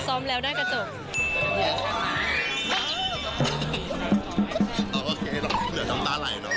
โอ้เคจะลืมตาไหลละ